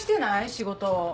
仕事。